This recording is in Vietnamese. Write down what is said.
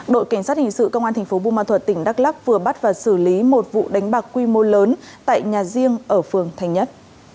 đội cảnh sát hình sự công an thành phố bùa ma thuật tỉnh đắk lắc vừa bắt và xử lý một vụ đánh bạc quy mô lớn tại nhà riêng ở phường thành nhất